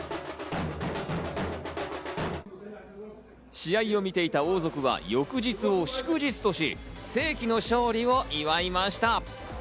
試合を見ていた王族は、翌日を祝日とし、世紀の勝利を祝いました。